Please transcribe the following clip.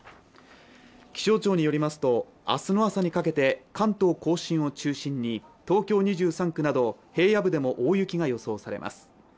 気象庁によりますと、明日の朝にかけて関東甲信を中心に東京２３区など平野部でも大雪が予想されます。